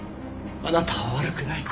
あなたは悪くない。